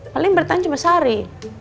paling bertahan cuma sehari